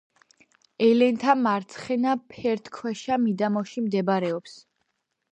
ელენთა მარცხენა ფერდქვეშა მიდამოში მდებარეობს.